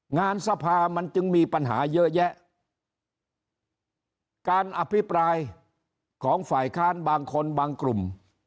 งานสภามันจึงมีปัญหาเยอะแยะการอภิปรายของฝ่ายค้านบางคนบางกลุ่ม